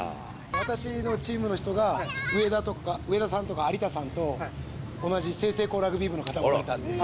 私のチームの人が、上田さんとか有田さんと同じ済々黌ラグビー部の方がいたんで。